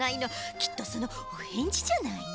きっとそのおへんじじゃないの？